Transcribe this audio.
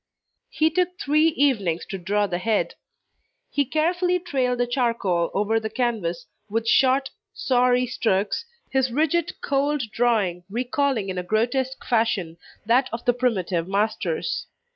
He took three evenings to draw the head. He carefully trailed the charcoal over the canvas with short, sorry strokes, his rigid, cold drawing recalling in a grotesque fashion that of the primitive masters.